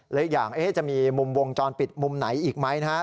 หรืออย่างจะมีมุมวงจรปิดมุมไหนอีกไหมนะฮะ